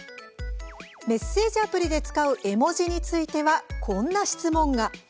メッセージアプリで使う絵文字については、こんな質問が。